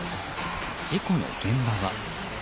事故の現場は。